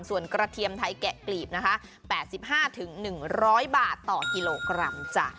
ส่วนกระเทียมไทยแกะกลีบนะคะแปดสิบห้าถึงหนึ่งร้อยบาทต่อกิโลกรัมจ้ะ